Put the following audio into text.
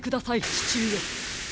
ちちうえ。